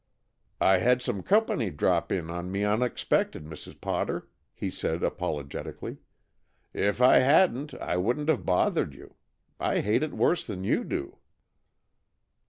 "I had some company drop in on me unexpected, Mrs. Potter," he said apologetically. "If I hadn't, I wouldn't have bothered you. I hate it worse'n you do."